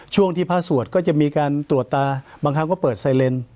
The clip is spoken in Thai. ช่วงที่พระสวดก็จะมีการตรวจตาบางครั้งก็เปิดไซเลน